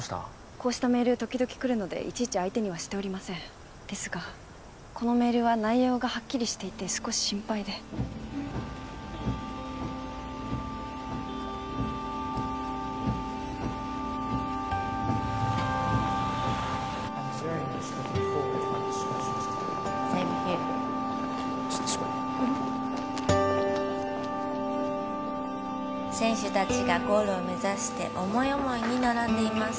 こうしたメール時々来るのでいちいち相手にはしておりませんですがこのメールは内容がはっきりしていて少し心配で「せんしゅたちがゴールをめざしておもいおもいにならんでいます」